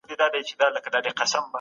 په پيل کي نازل سوی ايت د لوستلو امر کوي.